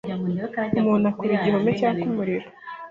Umuntu akora igihome cyaka umuriro